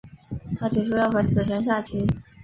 他提出要和死神下棋。